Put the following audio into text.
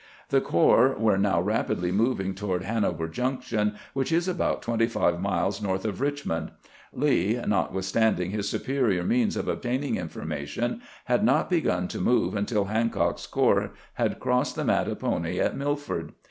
The corps were now rapidly moving toward Hanover Junction, which is about twenty five miles north of Eichmond. Lee, notwithstanding his superior means of obtaining information, had not begun to move untU. Hancock's corps had crossed the Mattapony at Milford.